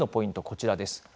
こちらです。